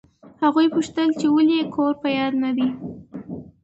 هغوی پوښتل چې ولې یې کور په یاد نه دی.